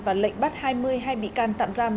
và lệnh bắt hai mươi hay bị can tạm giam